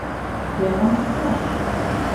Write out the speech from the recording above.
Кӧм ончыкташ?